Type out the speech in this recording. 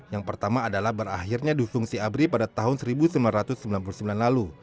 yang pertama adalah berakhirnya dufungsi abri pada tahun seribu sembilan ratus sembilan puluh sembilan lalu